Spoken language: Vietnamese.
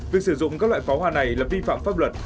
việc sử dụng các loại pháo hoa này là vi phạm pháp luật